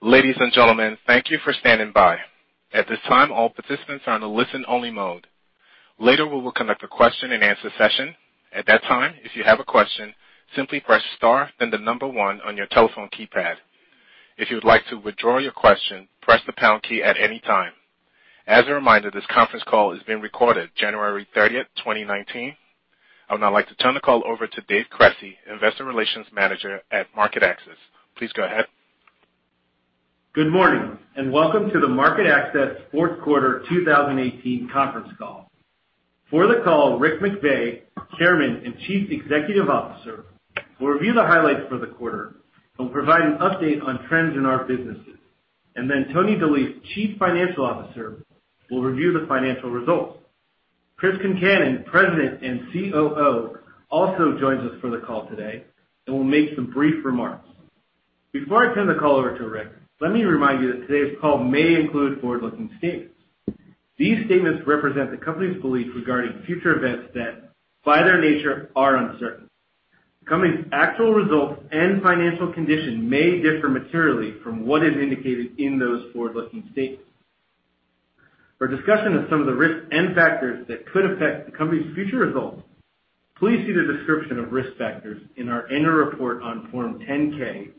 Ladies and gentlemen, thank you for standing by. At this time, all participants are on a listen-only mode. Later, we will conduct a question and answer session. At that time, if you have a question, simply press star, then the number one on your telephone keypad. If you would like to withdraw your question, press the pound key at any time. As a reminder, this conference call is being recorded January 30th, 2019. I would now like to turn the call over to Dave Cresci, Investor Relations Manager at MarketAxess. Please go ahead. Good morning. Welcome to the MarketAxess fourth quarter 2018 conference call. For the call, Rick McVey, Chairman and Chief Executive Officer, will review the highlights for the quarter and provide an update on trends in our businesses. Then Tony DeLise, Chief Financial Officer, will review the financial results. Chris Concannon, President and COO, also joins us for the call today and will make some brief remarks. Before I turn the call over to Rick, let me remind you that today's call may include forward-looking statements. These statements represent the company's belief regarding future events that, by their nature, are uncertain. The company's actual results and financial condition may differ materially from what is indicated in those forward-looking statements. For discussion of some of the risks and factors that could affect the company's future results, please see the description of risk factors in our annual report on Form 10-K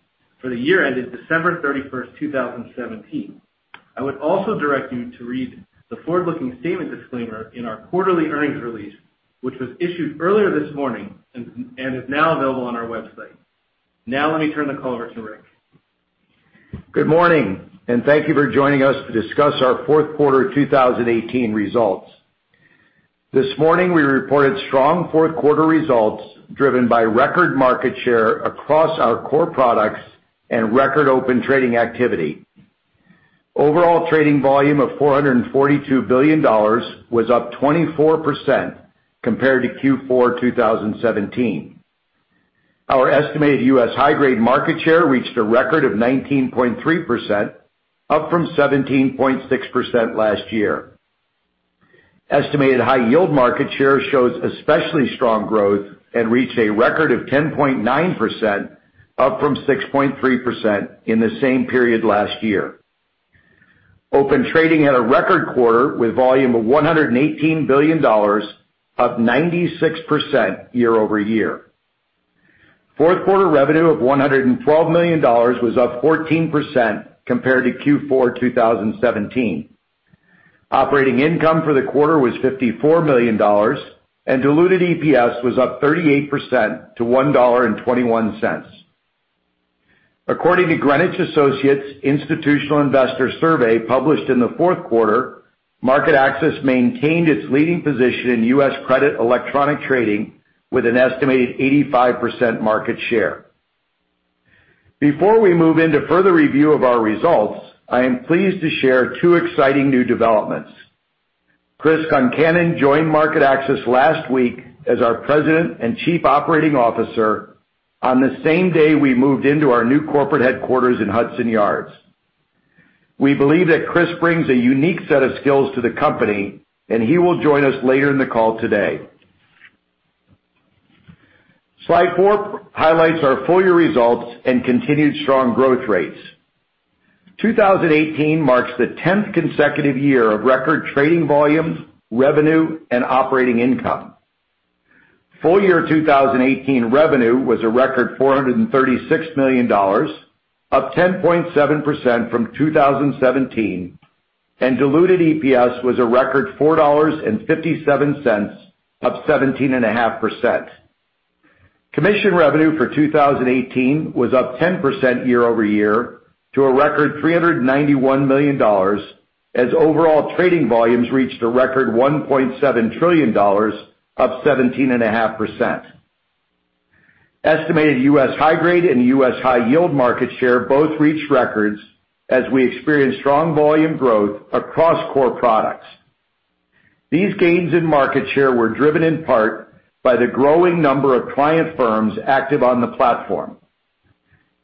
for the year ended December 31st, 2017. I would also direct you to read the forward-looking statement disclaimer in our quarterly earnings release, which was issued earlier this morning and is now available on our website. Now let me turn the call over to Rick. Good morning. Thank you for joining us to discuss our fourth quarter 2018 results. This morning, we reported strong fourth quarter results, driven by record market share across our core products and record Open Trading activity. Overall trading volume of $442 billion was up 24% compared to Q4 2017. Our estimated U.S. high-grade market share reached a record of 19.3%, up from 17.6% last year. Estimated high-yield market share shows especially strong growth and reached a record of 10.9%, up from 6.3% in the same period last year. Open Trading had a record quarter with volume of $118 billion, up 96% year-over-year. Fourth quarter revenue of $112 million was up 14% compared to Q4 2017. Operating income for the quarter was $54 million. Diluted EPS was up 38% to $1.21. According to Greenwich Associates Institutional Investor Survey published in the fourth quarter, MarketAxess maintained its leading position in U.S. credit electronic trading with an estimated 85% market share. Before we move into further review of our results, I am pleased to share two exciting new developments. Chris Concannon joined MarketAxess last week as our President and Chief Operating Officer on the same day we moved into our new corporate headquarters in Hudson Yards. We believe that Chris brings a unique set of skills to the company, and he will join us later in the call today. Slide four highlights our full-year results and continued strong growth rates. 2018 marks the tenth consecutive year of record trading volume, revenue and operating income. Full-year 2018 revenue was a record $436 million, up 10.7% from 2017, and diluted EPS was a record $4.57, up 17.5%. Commission revenue for 2018 was up 10% year-over-year to a record $391 million, as overall trading volumes reached a record $1.7 trillion, up 17.5%. Estimated U.S. high-grade and U.S. high-yield market share both reached records, as we experienced strong volume growth across core products. These gains in market share were driven in part by the growing number of client firms active on the platform.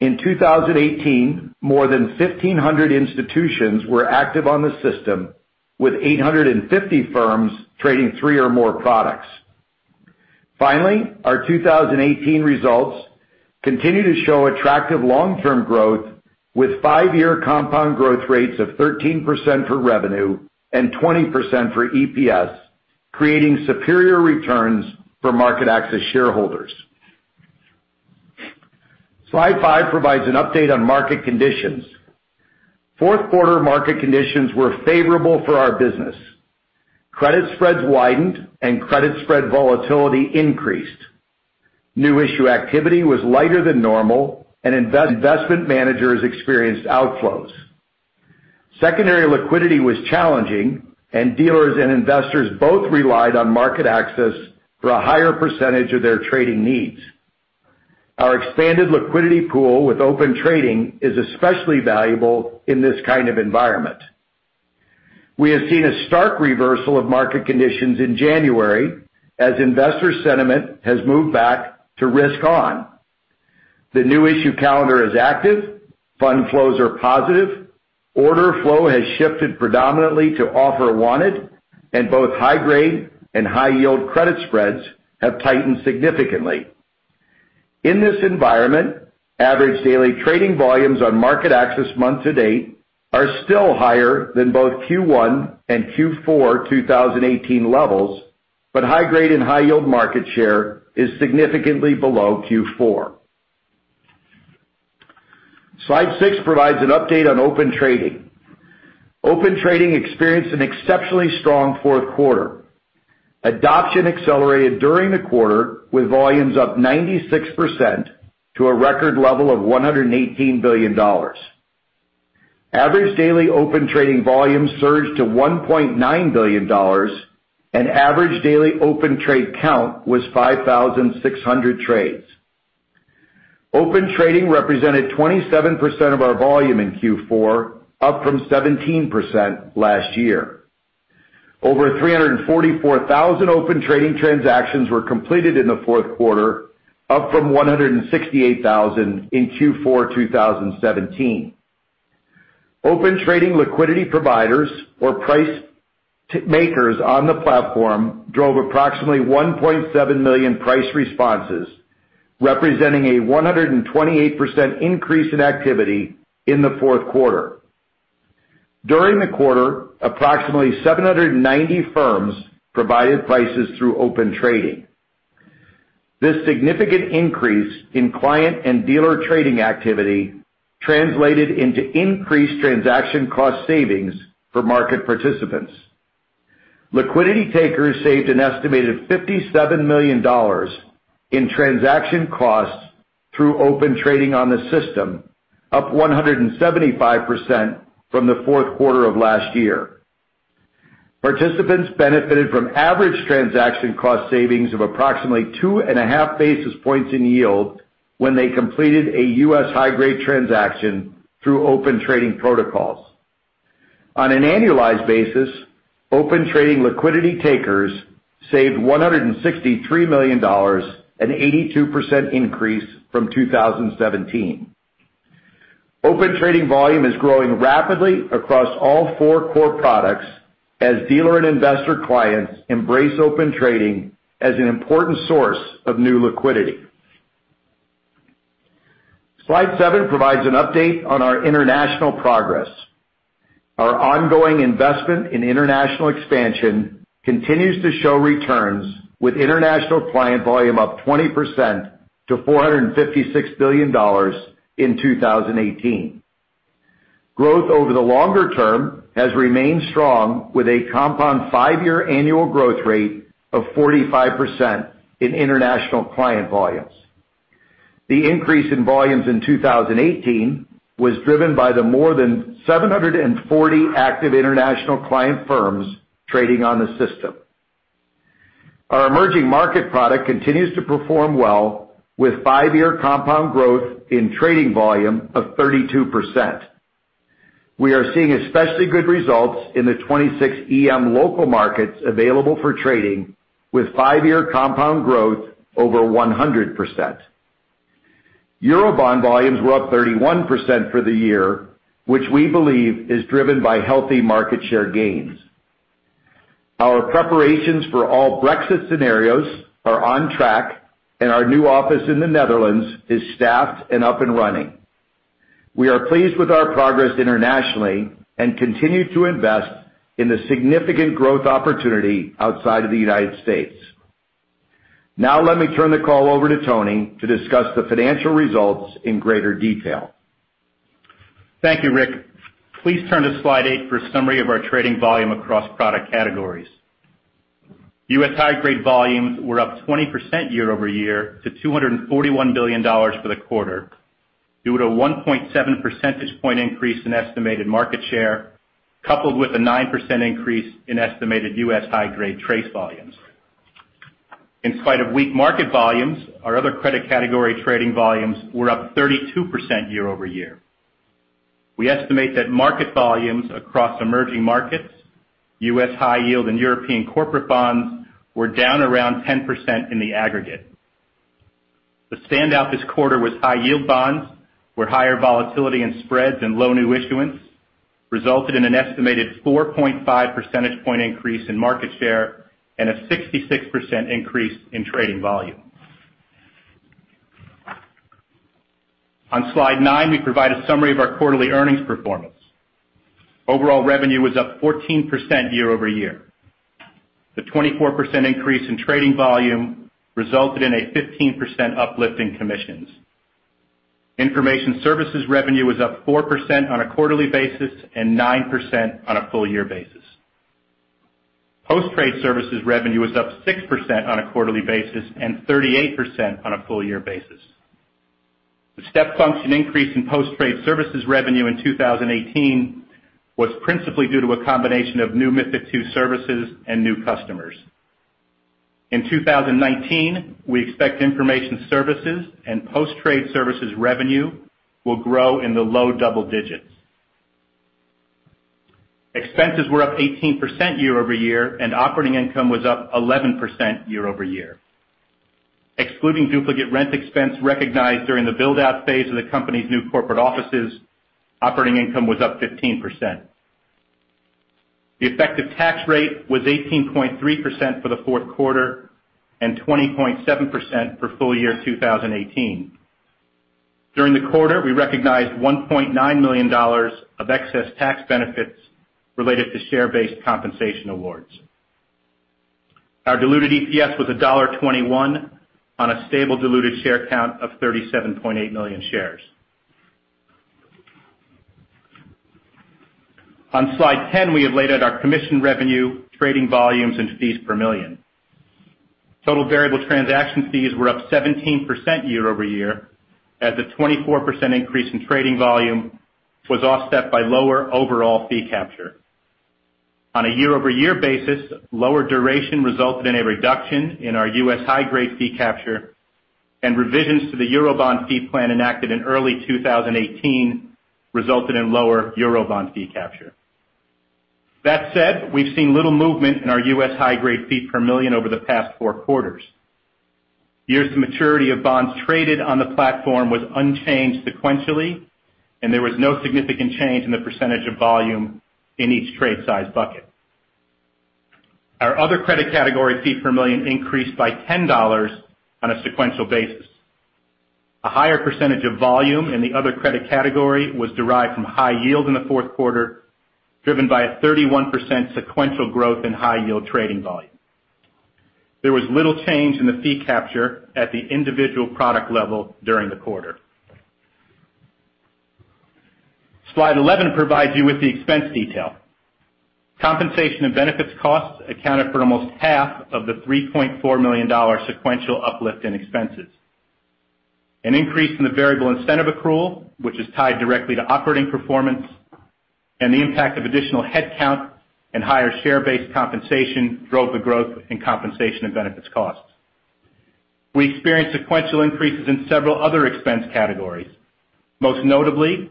In 2018, more than 1,500 institutions were active on the system, with 850 firms trading three or more products. Finally, our 2018 results continue to show attractive long-term growth with five-year compound growth rates of 13% for revenue and 20% for EPS, creating superior returns for MarketAxess shareholders. Slide five provides an update on market conditions. Fourth quarter market conditions were favorable for our business. Credit spreads widened and credit spread volatility increased. New issue activity was lighter than normal, and investment managers experienced outflows. Secondary liquidity was challenging, and dealers and investors both relied on MarketAxess for a higher percentage of their trading needs. Our expanded liquidity pool with Open Trading is especially valuable in this kind of environment. We have seen a stark reversal of market conditions in January, as investor sentiment has moved back to risk on. The new issue calendar is active, fund flows are positive, order flow has shifted predominantly to offer wanted, and both high-grade and high-yield credit spreads have tightened significantly. In this environment, average daily trading volumes on MarketAxess month-to-date are still higher than both Q1 and Q4 2018 levels, but high-grade and high-yield market share is significantly below Q4. Slide six provides an update on Open Trading. Open Trading experienced an exceptionally strong fourth quarter. Adoption accelerated during the quarter with volumes up 96% to a record level of $118 billion. Average daily Open Trading volume surged to $1.9 billion, and average daily open trade count was 5,600 trades. Open Trading represented 27% of our volume in Q4, up from 17% last year. Over 344,000 Open Trading transactions were completed in the fourth quarter, up from 168,000 in Q4 2017. Open Trading liquidity providers or price makers on the platform drove approximately 1.7 million price responses, representing a 128% increase in activity in the fourth quarter. During the quarter, approximately 790 firms provided prices through Open Trading. This significant increase in client and dealer trading activity translated into increased transaction cost savings for market participants. Liquidity takers saved an estimated $57 million in transaction costs through Open Trading on the system, up 175% from the fourth quarter of last year. Participants benefited from average transaction cost savings of approximately 2.5 basis points in yield when they completed a U.S. high-grade transaction through Open Trading protocols. On an annualized basis, Open Trading liquidity takers saved $163 million, an 82% increase from 2017. Open Trading volume is growing rapidly across all four core products as dealer and investor clients embrace Open Trading as an important source of new liquidity. Slide seven provides an update on our international progress. Our ongoing investment in international expansion continues to show returns, with international client volume up 20% to $456 billion in 2018. Growth over the longer term has remained strong with a compound five-year annual growth rate of 45% in international client volumes. The increase in volumes in 2018 was driven by the more than 740 active international client firms trading on the system. Our emerging market product continues to perform well with five-year compound growth in trading volume of 32%. We are seeing especially good results in the 26 EM local markets available for trading, with five-year compound growth over 100%. Eurobond volumes were up 31% for the year, which we believe is driven by healthy market share gains. Our preparations for all Brexit scenarios are on track, and our new office in the Netherlands is staffed and up and running. We are pleased with our progress internationally and continue to invest in the significant growth opportunity outside of the United States. Now let me turn the call over to Tony to discuss the financial results in greater detail. Thank you, Rick. Please turn to slide eight for a summary of our trading volume across product categories. U.S. high-grade volumes were up 20% year-over-year to $241 billion for the quarter, due to a 1.7 percentage point increase in estimated market share, coupled with a 9% increase in estimated U.S. high-grade TRACE volumes. In spite of weak market volumes, our other credit category trading volumes were up 32% year-over-year. We estimate that market volumes across emerging markets, U.S. high yield, and European corporate bonds were down around 10% in the aggregate. The standout this quarter was high-yield bonds, where higher volatility in spreads and low new issuance resulted in an estimated 4.5 percentage point increase in market share and a 66% increase in trading volume. On slide nine, we provide a summary of our quarterly earnings performance. Overall revenue was up 14% year-over-year. The 24% increase in trading volume resulted in a 15% uplift in commissions. Information services revenue was up 4% on a quarterly basis and 9% on a full-year basis. Post-trade services revenue was up 6% on a quarterly basis and 38% on a full-year basis. The step function increase in post-trade services revenue in 2018 was principally due to a combination of new MiFID II services and new customers. In 2019, we expect information services and post-trade services revenue will grow in the low double digits. Expenses were up 18% year-over-year, and operating income was up 11% year-over-year. Excluding duplicate rent expense recognized during the build-out phase of the company's new corporate offices, operating income was up 15%. The effective tax rate was 18.3% for the fourth quarter and 20.7% for full year 2018. During the quarter, we recognized $1.9 million of excess tax benefits related to share-based compensation awards. Our diluted EPS was $1.21 on a stable diluted share count of 37.8 million shares. On slide 10, we have laid out our commission revenue, trading volumes, and fees per million. Total variable transaction fees were up 17% year-over-year, as a 24% increase in trading volume was offset by lower overall fee capture. On a year-over-year basis, lower duration resulted in a reduction in our U.S. high grade fee capture, and revisions to the Eurobond fee plan enacted in early 2018 resulted in lower Eurobond fee capture. That said, we've seen little movement in our U.S. high grade fee per million over the past four quarters. Years to maturity of bonds traded on the platform was unchanged sequentially. There was no significant change in the percentage of volume in each trade size bucket. Our other credit category fee per million increased by $10 on a sequential basis. A higher percentage of volume in the other credit category was derived from high yield in the fourth quarter, driven by a 31% sequential growth in high yield trading volume. There was little change in the fee capture at the individual product level during the quarter. Slide 11 provides you with the expense detail. Compensation and benefits costs accounted for almost half of the $3.4 million sequential uplift in expenses. An increase in the variable incentive accrual, which is tied directly to operating performance, and the impact of additional headcount and higher share-based compensation drove the growth in compensation and benefits costs. We experienced sequential increases in several other expense categories. Most notably,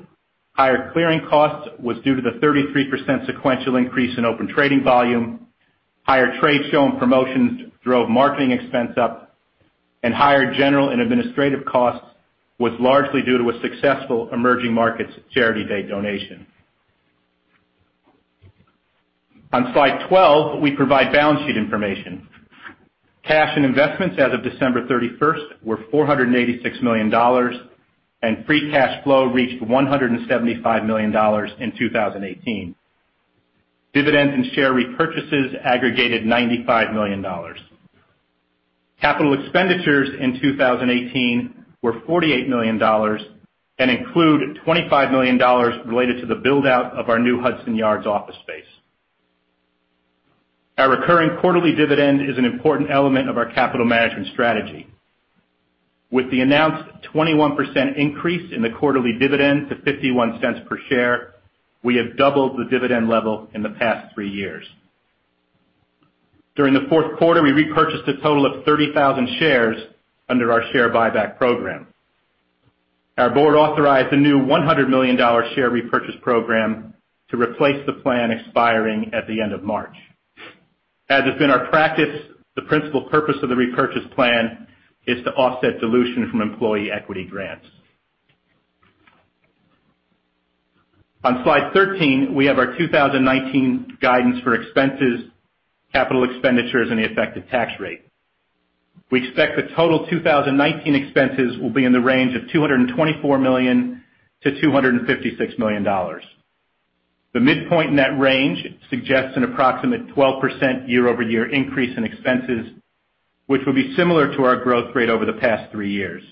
higher clearing costs was due to the 33% sequential increase in Open Trading volume. Higher trade show and promotions drove marketing expense up. Higher general and administrative costs was largely due to a successful emerging markets charity day donation. On slide 12, we provide balance sheet information. Cash and investments as of December 31st were $486 million. Free cash flow reached $175 million in 2018. Dividends and share repurchases aggregated $95 million. Capital expenditures in 2018 were $48 million and include $25 million related to the build-out of our new Hudson Yards office space. Our recurring quarterly dividend is an important element of our capital management strategy. With the announced 21% increase in the quarterly dividend to $0.51 per share, we have doubled the dividend level in the past three years. During the fourth quarter, we repurchased a total of 30,000 shares under our share buyback program. Our board authorized a new $100 million share repurchase program to replace the plan expiring at the end of March. As has been our practice, the principal purpose of the repurchase plan is to offset dilution from employee equity grants. On slide 13, we have our 2019 guidance for expenses, capital expenditures, and the effective tax rate. We expect the total 2019 expenses will be in the range of $224 million-$256 million. The midpoint in that range suggests an approximate 12% year-over-year increase in expenses, which will be similar to our growth rate over the past three years.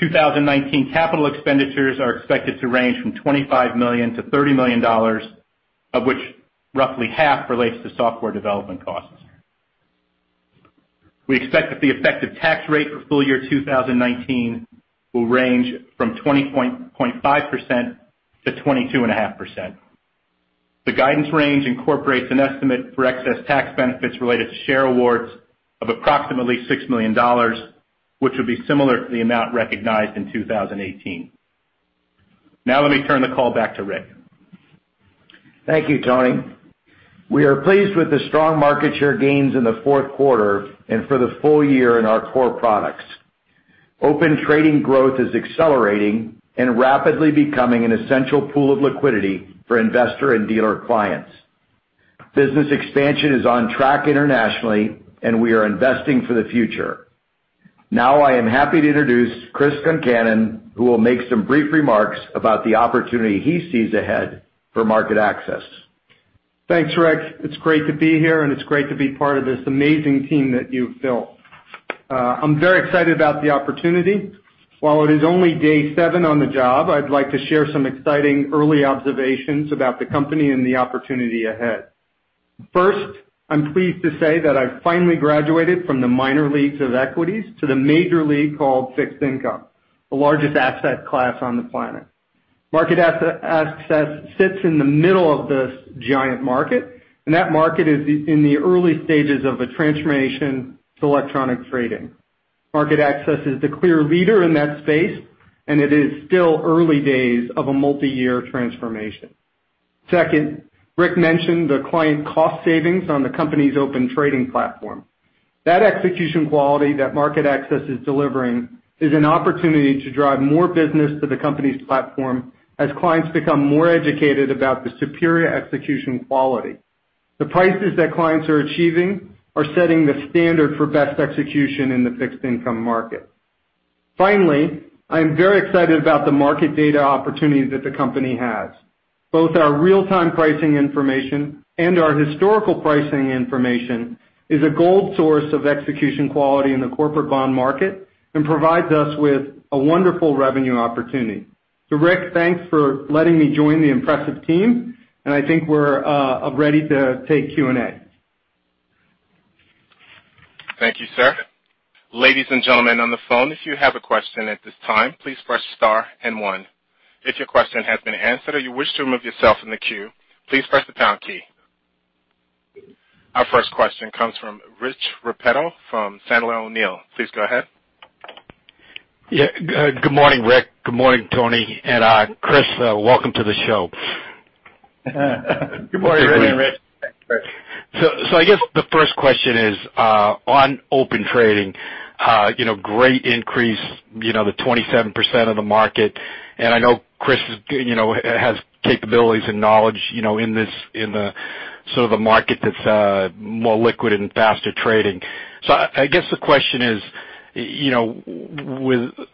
2019 capital expenditures are expected to range from $25 million-$30 million, of which roughly half relates to software development costs. We expect that the effective tax rate for full year 2019 will range from 20.5%-22.5%. The guidance range incorporates an estimate for excess tax benefits related to share awards of approximately $6 million, which will be similar to the amount recognized in 2018. Let me turn the call back to Rick. Thank you, Tony. We are pleased with the strong market share gains in the fourth quarter and for the full year in our core products. Open Trading growth is accelerating and rapidly becoming an essential pool of liquidity for investor and dealer clients. Business expansion is on track internationally, and we are investing for the future. I am happy to introduce Chris Concannon, who will make some brief remarks about the opportunity he sees ahead for MarketAxess. Thanks, Rick. It's great to be here, and it's great to be part of this amazing team that you've built. I'm very excited about the opportunity. While it is only day seven on the job, I'd like to share some exciting early observations about the company and the opportunity ahead. First, I'm pleased to say that I've finally graduated from the minor leagues of equities to the major league called fixed income, the largest asset class on the planet. MarketAxess sits in the middle of this giant market, and that market is in the early stages of a transformation to electronic trading. MarketAxess is the clear leader in that space, and it is still early days of a multi-year transformation. Second, Rick mentioned the client cost savings on the company's Open Trading platform. That execution quality that MarketAxess is delivering is an opportunity to drive more business to the company's platform as clients become more educated about the superior execution quality. The prices that clients are achieving are setting the standard for best execution in the fixed income market. Finally, I'm very excited about the market data opportunities that the company has. Both our real-time pricing information and our historical pricing information is a gold source of execution quality in the corporate bond market and provides us with a wonderful revenue opportunity. Rick, thanks for letting me join the impressive team, and I think we're ready to take Q&A. Thank you, sir. Ladies and gentlemen on the phone, if you have a question at this time, please press star and one. If your question has been answered or you wish to remove yourself from the queue, please press the pound key. Our first question comes from Rich Repetto from Sandler O'Neill. Please go ahead. Yeah. Good morning, Rick. Good morning, Tony. Chris, welcome to the show. Good morning, Rich. Thanks, Rich. I guess the first question is, on Open Trading, great increase, the 27% of the market. I know Chris has capabilities and knowledge in the sort of the market that's more liquid and faster trading. I guess the question is,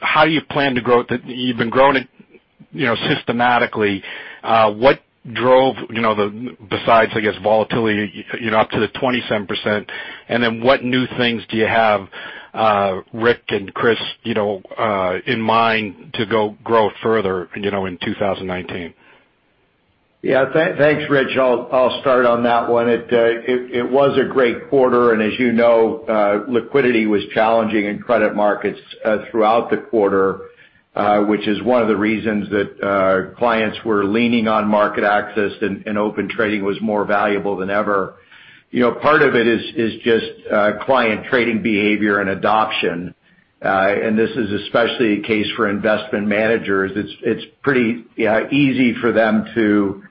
how do you plan to grow? You've been growing it systematically. What drove, besides, I guess, volatility, up to the 27%? What new things do you have, Rick and Chris, in mind to go grow further in 2019? Thanks, Rich. I'll start on that one. It was a great quarter, and as you know, liquidity was challenging in credit markets throughout the quarter, which is one of the reasons that clients were leaning on MarketAxess, and Open Trading was more valuable than ever. Part of it is just client trading behavior and adoption. This is especially the case for investment managers. It's pretty easy for them to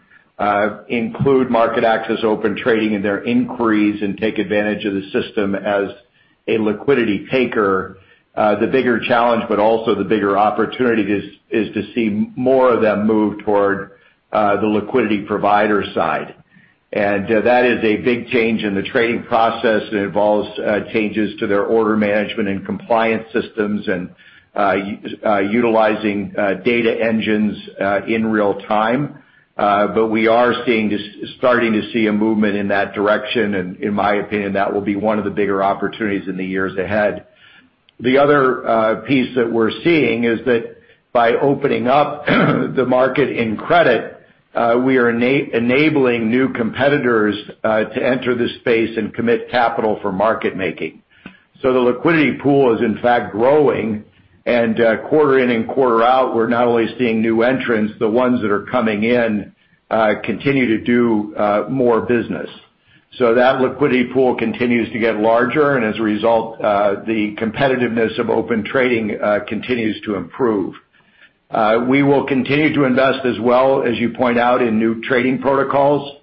include MarketAxess Open Trading in their inquiries and take advantage of the system as a liquidity taker. The bigger challenge, but also the bigger opportunity is to see more of them move toward the liquidity provider side. That is a big change in the trading process. It involves changes to their order management and compliance systems and utilizing data engines in real time. We are starting to see a movement in that direction, and in my opinion, that will be one of the bigger opportunities in the years ahead. The other piece that we're seeing is that by opening up the market in credit, we are enabling new competitors to enter this space and commit capital for market making. The liquidity pool is in fact growing and quarter in and quarter out, we're not only seeing new entrants, the ones that are coming in continue to do more business. That liquidity pool continues to get larger, and as a result, the competitiveness of Open Trading continues to improve. We will continue to invest as well, as you point out, in new trading protocols.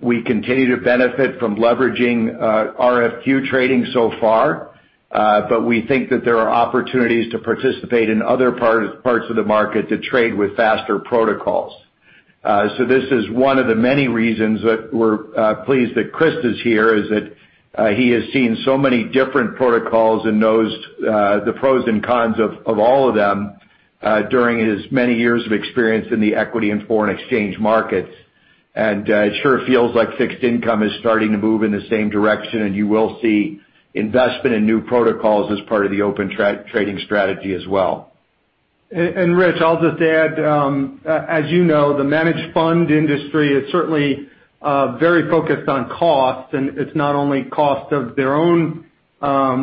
We continue to benefit from leveraging RFQ trading so far, but we think that there are opportunities to participate in other parts of the market to trade with faster protocols. This is one of the many reasons that we're pleased that Chris is here, is that he has seen so many different protocols and knows the pros and cons of all of them during his many years of experience in the equity and foreign exchange markets. It sure feels like fixed income is starting to move in the same direction, and you will see investment in new protocols as part of the Open Trading strategy as well. Rich, I'll just add, as you know, the managed fund industry is certainly very focused on cost, and it's not only cost of their own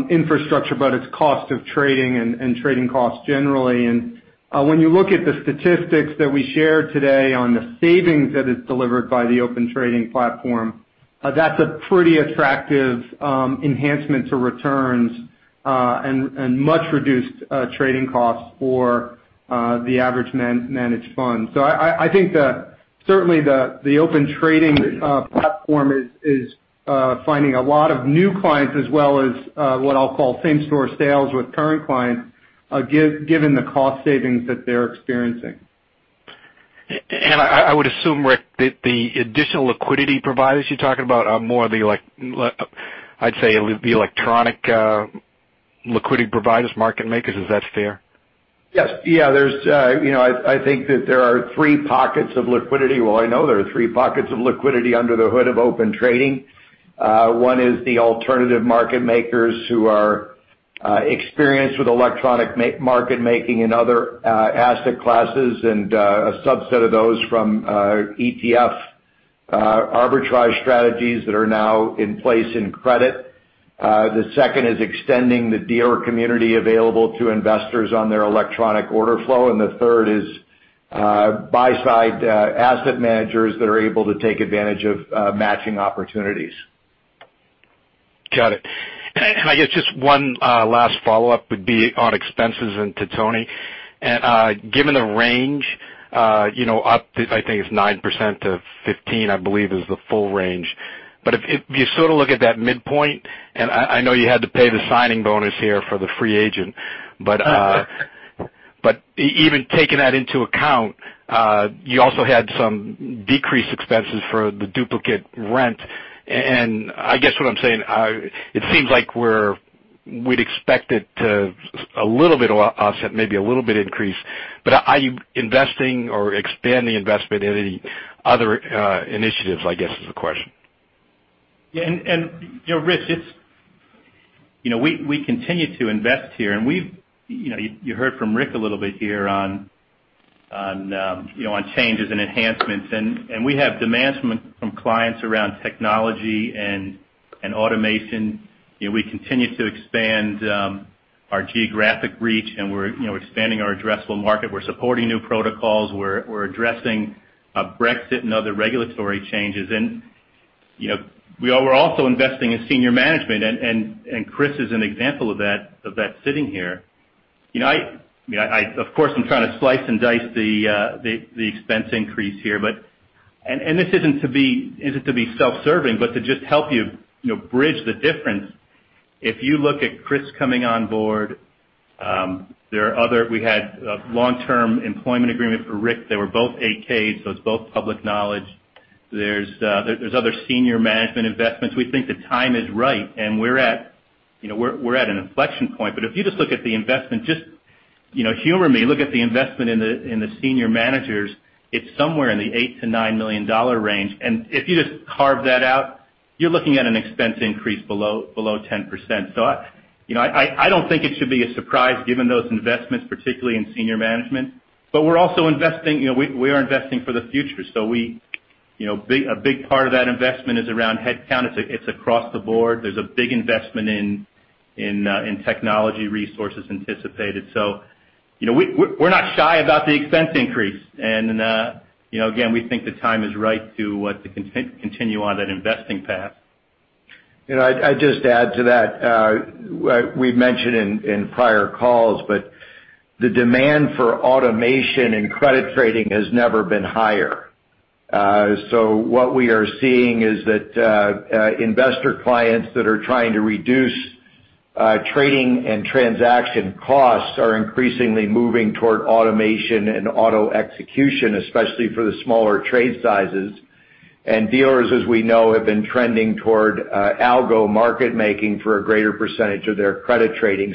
infrastructure, but it's cost of trading and trading costs generally. When you look at the statistics that we shared today on the savings that is delivered by the Open Trading platform, that's a pretty attractive enhancement to returns, and much reduced trading costs for the average managed fund. I think that certainly the Open Trading platform is finding a lot of new clients as well as what I'll call same-store sales with current clients, given the cost savings that they're experiencing. Yes. I would assume, Rick, that the additional liquidity providers you're talking about are more the electronic liquidity providers, market makers. Is that fair? Yes. I think that there are three pockets of liquidity. Well, I know there are three pockets of liquidity under the hood of Open Trading. One is the alternative market makers who are experienced with electronic market making in other asset classes, and a subset of those from ETF arbitrage strategies that are now in place in credit. The second is extending the dealer community available to investors on their electronic order flow, and the third is buy-side asset managers that are able to take advantage of matching opportunities. Got it. I guess just one last follow-up would be on expenses and to Tony. Given the range, up, I think it's 9%-15%, I believe is the full range. If you look at that midpoint, I know you had to pay the signing bonus here for the free agent. Even taking that into account, you also had some decreased expenses for the duplicate rent. I guess what I'm saying, it seems like we'd expect it to a little bit offset, maybe a little bit increase, but are you investing or expanding investment in any other initiatives, I guess, is the question. Yeah. Rich, we continue to invest here, and you heard from Rick a little bit here on changes and enhancements. We have demands from clients around technology and automation. We continue to expand our geographic reach, and we're expanding our addressable market. We're supporting new protocols. We're addressing Brexit and other regulatory changes. We're also investing in senior management, and Chris is an example of that sitting here. Of course, I'm trying to slice and dice the expense increase here. This isn't to be self-serving, but to just help you bridge the difference. If you look at Chris coming on board, we had a long-term employment agreement for Rick. They were both 8-K'd, so it's both public knowledge. There's other senior management investments. We think the time is right, and we're at an inflection point. If you just look at the investment, just humor me, look at the investment in the senior managers. It's somewhere in the $8 million-$9 million range. If you just carve that out, you're looking at an expense increase below 10%. I don't think it should be a surprise given those investments, particularly in senior management. We're also investing. We are investing for the future. A big part of that investment is around headcount. It's across the board. There's a big investment in technology resources anticipated. We're not shy about the expense increase. Again, we think the time is right to continue on that investing path. I'd just add to that. We've mentioned in prior calls, the demand for automation and credit trading has never been higher. What we are seeing is that investor clients that are trying to reduce trading and transaction costs are increasingly moving toward automation and auto execution, especially for the smaller trade sizes. Dealers, as we know, have been trending toward Algo market-making for a greater percentage of their credit trading.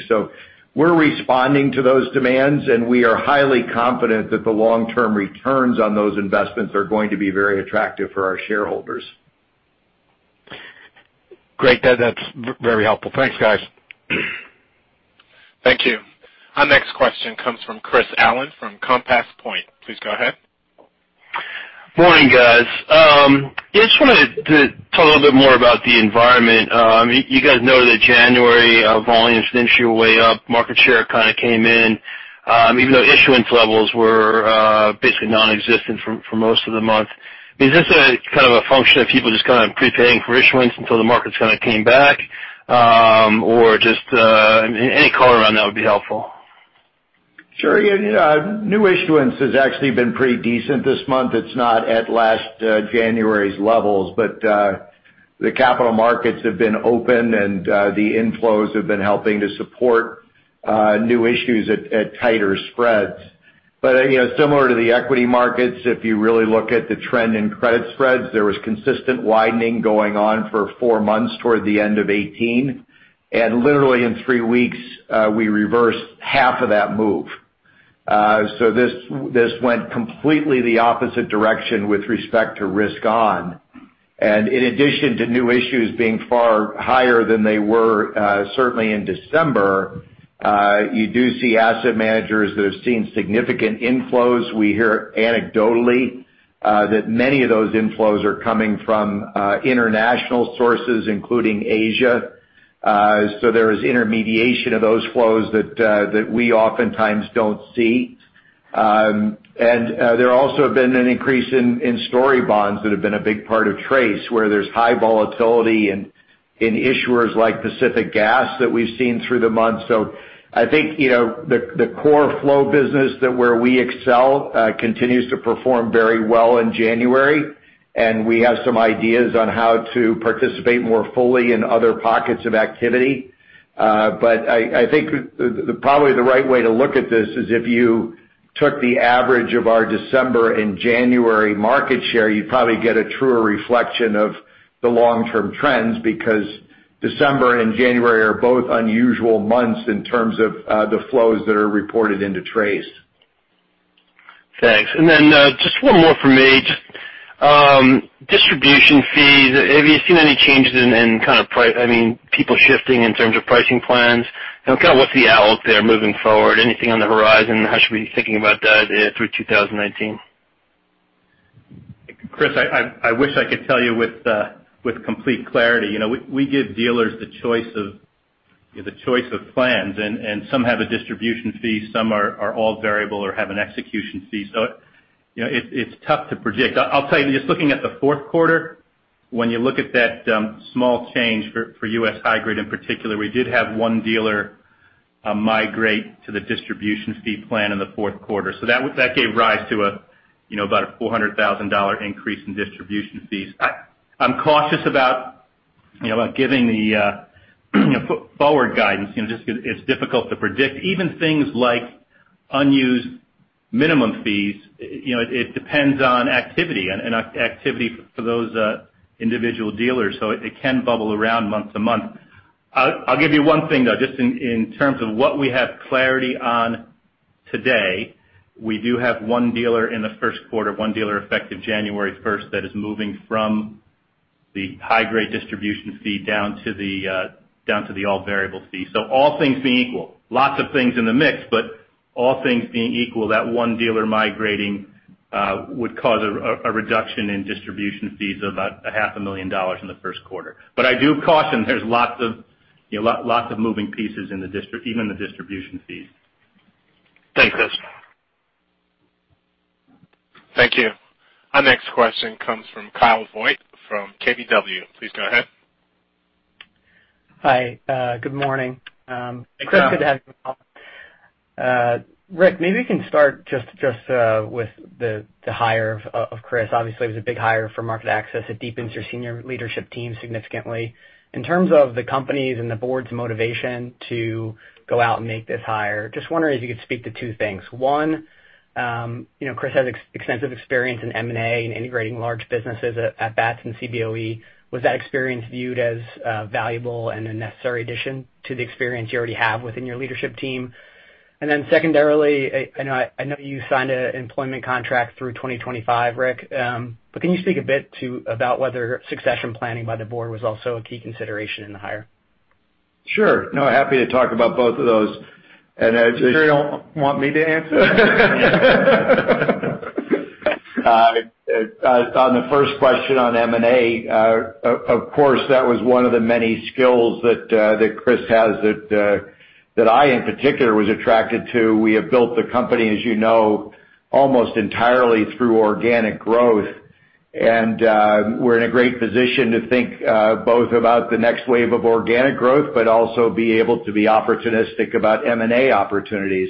We're responding to those demands, and we are highly confident that the long-term returns on those investments are going to be very attractive for our shareholders. Great. That's very helpful. Thanks, guys. Thank you. Our next question comes from Chris Allen from Compass Point. Please go ahead. Morning, guys. Yeah, just wanted to talk a little bit more about the environment. You guys know that January volumes initially were way up, market share kind of came in, even though issuance levels were basically non-existent for most of the month. Is this a function of people just prepaying for issuance until the markets came back? Or just any color around that would be helpful. Sure. New issuance has actually been pretty decent this month. It's not at last January's levels, but the capital markets have been open and the inflows have been helping to support new issues at tighter spreads. Similar to the equity markets, if you really look at the trend in credit spreads, there was consistent widening going on for four months toward the end of 2018. Literally in three weeks, we reversed half of that move. This went completely the opposite direction with respect to risk-on. In addition to new issues being far higher than they were certainly in December, you do see asset managers that have seen significant inflows. We hear anecdotally that many of those inflows are coming from international sources, including Asia. There is intermediation of those flows that we oftentimes don't see. There also have been an increase in story bonds that have been a big part of TRACE, where there's high volatility in issuers like Pacific Gas that we've seen through the months. I think the core flow business where we excel continues to perform very well in January, we have some ideas on how to participate more fully in other pockets of activity. I think probably the right way to look at this is if you took the average of our December and January market share, you'd probably get a truer reflection of the long-term trends because December and January are both unusual months in terms of the flows that are reported into TRACE. Thanks. Just one more from me. Just distribution fees. Have you seen any changes in people shifting in terms of pricing plans? What's the outlook there moving forward? Anything on the horizon? How should we be thinking about that through 2019? Chris, I wish I could tell you with complete clarity. We give dealers the choice of plans, and some have a distribution fee, some are all variable or have an execution fee. It's tough to predict. I'll tell you, just looking at the fourth quarter, when you look at that small change for U.S. high grade in particular, we did have one dealer migrate to the distribution fee plan in the fourth quarter. That gave rise to about a $400,000 increase in distribution fees. I'm cautious about giving the forward guidance just because it's difficult to predict. Even things like unused minimum fees, it depends on activity for those individual dealers, so it can bubble around month to month. I'll give you one thing, though, just in terms of what we have clarity on today, we do have one dealer in the first quarter, one dealer effective January 1st, that is moving from the high-grade distribution fee down to the all-variable fee. All things being equal, lots of things in the mix, but all things being equal, that one dealer migrating would cause a reduction in distribution fees of about a half a million dollars in the first quarter. I do caution there's lots of moving pieces, even in the distribution fees. Thanks, DeLise. Thank you. Our next question comes from Kyle Voigt from KBW. Please go ahead. Hi. Good morning. Hey, Kyle. Chris, good to have you on. Rick, maybe we can start just with the hire of Chris. Obviously, it was a big hire for MarketAxess. It deepens your senior leadership team significantly. In terms of the company's and the board's motivation to go out and make this hire, just wondering if you could speak to two things. One, Chris has extensive experience in M&A and integrating large businesses at Bats and Cboe. Was that experience viewed as valuable and a necessary addition to the experience you already have within your leadership team? Then secondarily, I know you signed an employment contract through 2025, Rick, but can you speak a bit about whether succession planning by the board was also a key consideration in the hire? Sure. No, happy to talk about both of those. You sure you don't want me to answer? On the first question on M&A, of course, that was one of the many skills that Chris has that I in particular was attracted to. We have built the company, as you know, almost entirely through organic growth. We're in a great position to think both about the next wave of organic growth, but also be able to be opportunistic about M&A opportunities.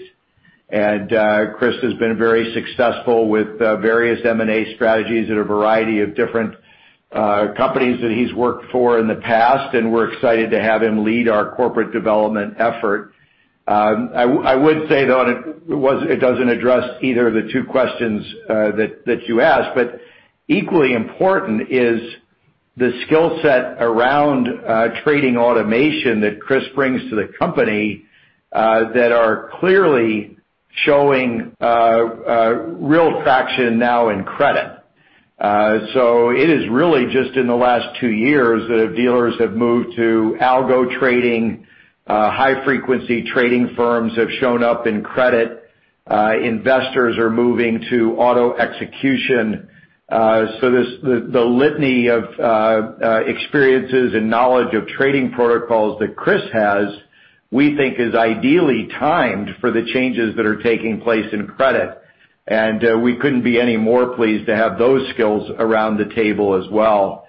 Chris has been very successful with various M&A strategies at a variety of different companies that he's worked for in the past, and we're excited to have him lead our corporate development effort. I would say, though, it doesn't address either of the two questions that you asked, but equally important is the skill set around trading automation that Chris brings to the company, that are clearly showing real traction now in credit. It is really just in the last two years that dealers have moved to algo trading, high-frequency trading firms have shown up in credit. Investors are moving to auto execution. The litany of experiences and knowledge of trading protocols that Chris has, we think is ideally timed for the changes that are taking place in credit. We couldn't be any more pleased to have those skills around the table as well.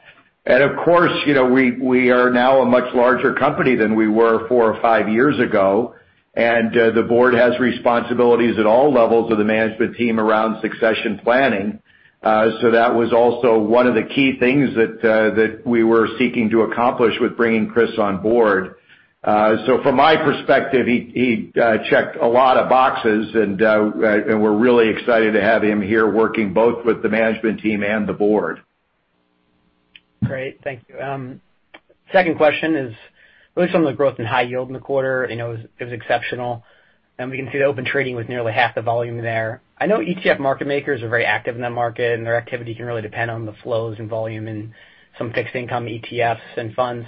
Of course, we are now a much larger company than we were four or five years ago, and the board has responsibilities at all levels of the management team around succession planning. That was also one of the key things that we were seeking to accomplish with bringing Chris on board. From my perspective, he checked a lot of boxes, and we're really excited to have him here working both with the management team and the board. Great. Thank you. Second question is really from the growth in high yield in the quarter, it was exceptional. We can see the Open Trading with nearly half the volume there. I know ETF market makers are very active in that market, and their activity can really depend on the flows and volume in some fixed income ETFs and funds.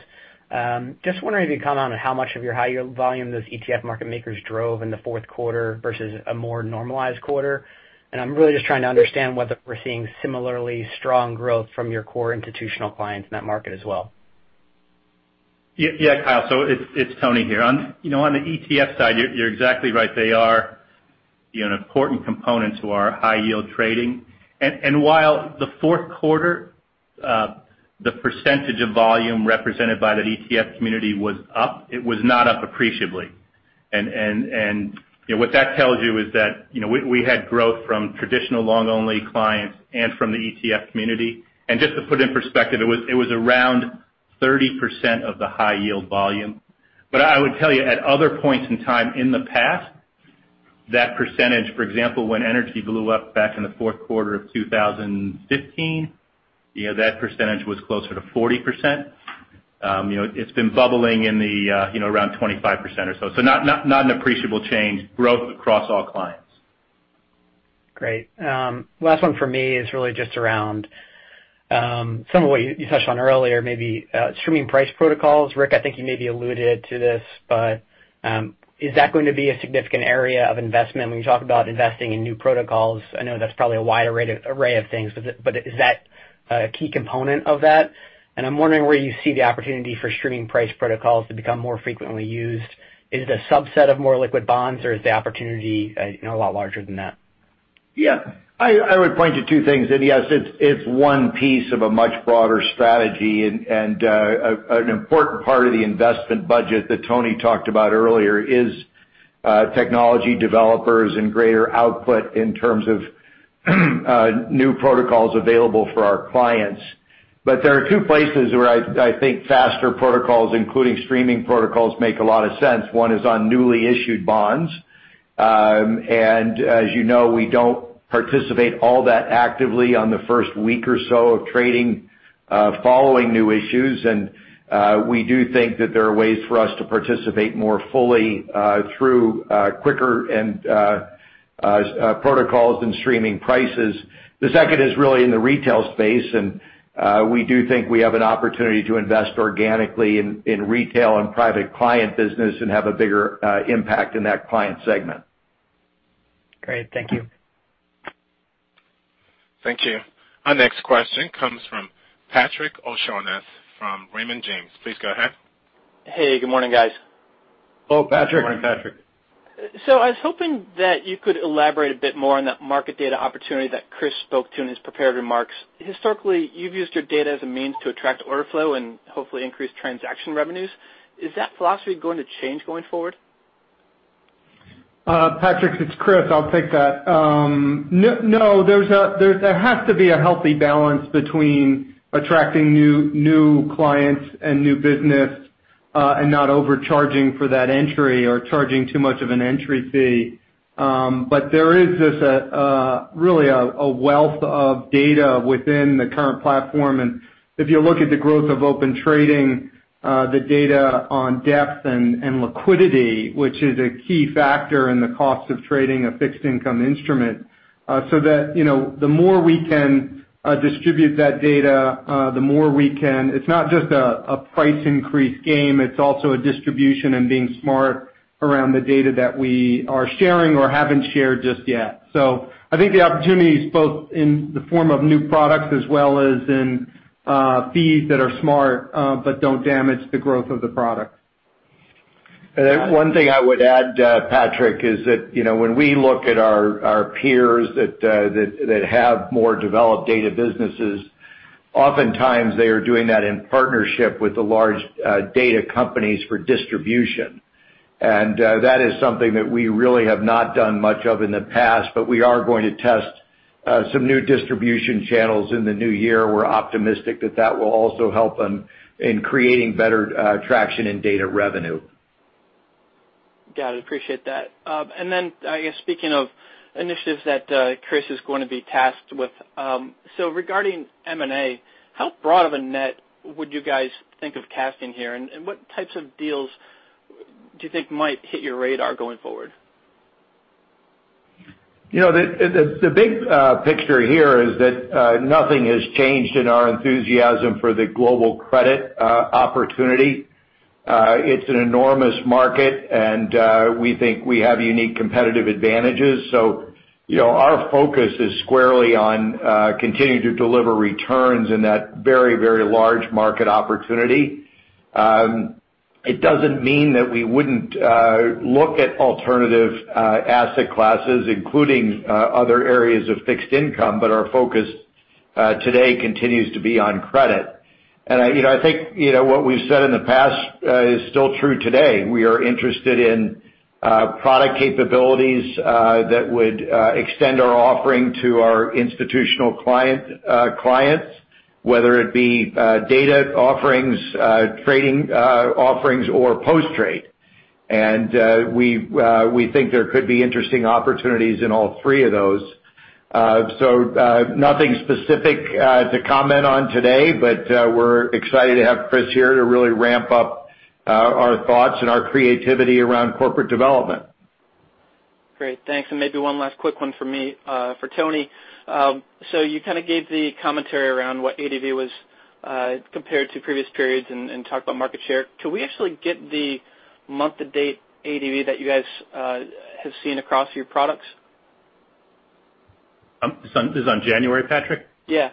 Just wondering if you could comment on how much of your high yield volume those ETF market makers drove in the fourth quarter versus a more normalized quarter. I'm really just trying to understand whether we're seeing similarly strong growth from your core institutional clients in that market as well. Yeah, Kyle. It's Tony here. On the ETF side, you're exactly right. They are an important component to our high-yield trading. While the fourth quarter, the percentage of volume represented by that ETF community was up, it was not up appreciably. What that tells you is that we had growth from traditional long-only clients and from the ETF community. Just to put it in perspective, it was around 30% of the high-yield volume. I would tell you, at other points in time in the past, that percentage, for example, when energy blew up back in the fourth quarter of 2015, that percentage was closer to 40%. It's been bubbling around 25% or so. Not an appreciable change, growth across all clients. Great. Last one for me is really just around some of what you touched on earlier, maybe streaming price protocols. Rick, I think you maybe alluded to this, is that going to be a significant area of investment when you talk about investing in new protocols? I know that's probably a wide array of things, is that a key component of that? I'm wondering where you see the opportunity for streaming price protocols to become more frequently used. Is it a subset of more liquid bonds, or is the opportunity a lot larger than that? Yeah. I would point to two things. Yes, it's one piece of a much broader strategy, an important part of the investment budget that Tony talked about earlier is technology developers and greater output in terms of new protocols available for our clients. There are two places where I think faster protocols, including streaming protocols, make a lot of sense. One is on newly issued bonds. As you know, we don't participate all that actively on the first week or so of trading following new issues. We do think that there are ways for us to participate more fully through quicker and protocols and streaming prices. The second is really in the retail space, and we do think we have an opportunity to invest organically in retail and private client business and have a bigger impact in that client segment. Great. Thank you. Thank you. Our next question comes from Patrick O'Shaughnessy from Raymond James. Please go ahead. Hey, good morning, guys. Hello, Patrick. Good morning, Patrick. I was hoping that you could elaborate a bit more on that market data opportunity that Chris spoke to in his prepared remarks. Historically, you've used your data as a means to attract order flow and hopefully increase transaction revenues. Is that philosophy going to change going forward? Patrick, it's Chris. I'll take that. No, there has to be a healthy balance between attracting new clients and new business, and not overcharging for that entry or charging too much of an entry fee. There is just a really a wealth of data within the current platform. If you look at the growth of Open Trading, the data on depth and liquidity, which is a key factor in the cost of trading a fixed income instrument, so that the more we can distribute that data, it's not just a price increase game, it's also a distribution and being smart around the data that we are sharing or haven't shared just yet. I think the opportunity is both in the form of new products as well as in fees that are smart, but don't damage the growth of the product. One thing I would add, Patrick, is that when we look at our peers that have more developed data businesses, oftentimes they are doing that in partnership with the large data companies for distribution. That is something that we really have not done much of in the past, but we are going to test some new distribution channels in the new year. We're optimistic that that will also help in creating better traction in data revenue. Got it. Appreciate that. Then, I guess speaking of initiatives that Chris is going to be tasked with. Regarding M&A, how broad of a net would you guys think of casting here? What types of deals do you think might hit your radar going forward? The big picture here is that nothing has changed in our enthusiasm for the global credit opportunity. It's an enormous market, and we think we have unique competitive advantages. Our focus is squarely on continuing to deliver returns in that very large market opportunity. It doesn't mean that we wouldn't look at alternative asset classes, including other areas of fixed income, but our focus today continues to be on credit. I think what we've said in the past is still true today. We are interested in product capabilities that would extend our offering to our institutional clients, whether it be data offerings, trading offerings, or post-trade. We think there could be interesting opportunities in all three of those. Nothing specific to comment on today, but we're excited to have Chris here to really ramp up our thoughts and our creativity around corporate development. Great. Thanks, and maybe one last quick one from me for Tony. You kind of gave the commentary around what ADV was compared to previous periods and talked about market share. Could we actually get the month-to-date ADV that you guys have seen across your products? This is on January, Patrick? Yeah.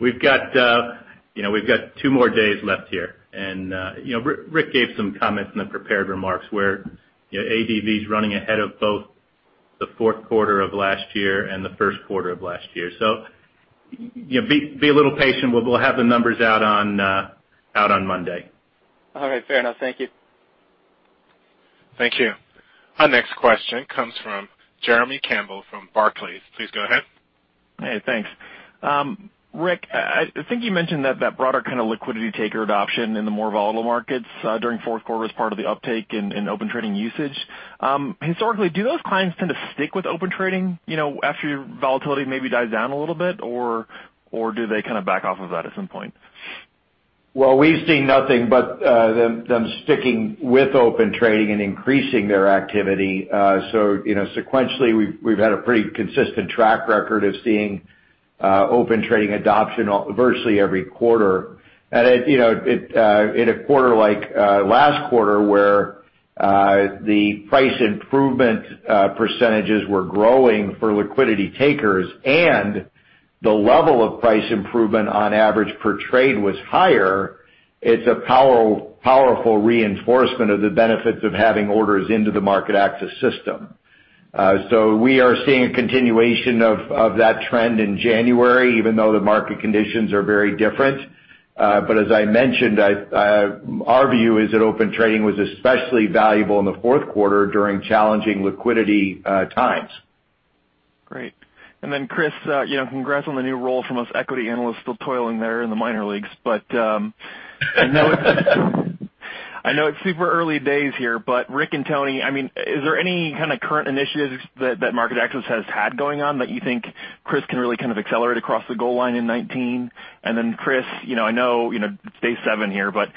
We've got two more days left here. Rick gave some comments in the prepared remarks where ADV's running ahead of both the fourth quarter of last year and the first quarter of last year. Be a little patient. We'll have the numbers out on Monday. All right. Fair enough. Thank you. Thank you. Our next question comes from Jeremy Campbell from Barclays. Please go ahead. Hey, thanks. Rick, I think you mentioned that broader kind of liquidity taker adoption in the more volatile markets during fourth quarter as part of the uptake in Open Trading usage. Historically, do those clients tend to stick with Open Trading after volatility maybe dies down a little bit, or do they kind of back off of that at some point? Well, we've seen nothing but them sticking with Open Trading and increasing their activity. Sequentially, we've had a pretty consistent track record of seeing Open Trading adoption virtually every quarter. In a quarter like last quarter, where the price improvement percentages were growing for liquidity takers and the level of price improvement on average per trade was higher, it's a powerful reinforcement of the benefits of having orders into the MarketAxess system. We are seeing a continuation of that trend in January, even though the market conditions are very different. As I mentioned, our view is that Open Trading was especially valuable in the fourth quarter during challenging liquidity times. Great. Chris, congrats on the new role from us equity analysts still toiling there in the minor leagues. I know it's super early days here, but Rick and Tony, is there any kind of current initiatives that MarketAxess has had going on that you think Chris can really accelerate across the goal line in 2019? Chris, I know it's day seven here, but,